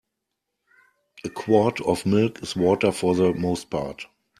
A quart of milk is water for the most part.